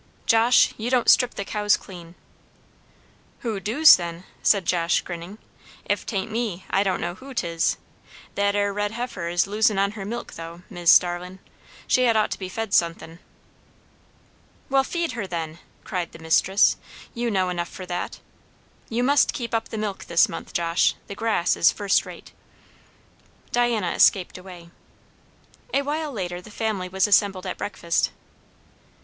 "Josh, you don't strip the cows clean." "Who doos, then?" said Josh, grinning. "If 'tain't me, I don' know who 'tis. That 'ere red heifer is losin' on her milk, though, Mis' Starlin'. She had ought to be fed sun'thin'." "Well, feed her, then," cried the mistress. "You know enough for that. You must keep up the milk this month, Josh; the grass is first rate." Diana escaped away. A while later the family was assembled at breakfast.